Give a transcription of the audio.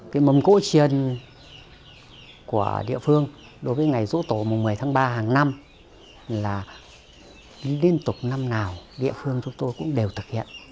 cái mâm cỗ truyền của địa phương đối với ngày rỗ tổ một mươi tháng ba hàng năm là điên tục năm nào địa phương chúng tôi cũng đều thực hiện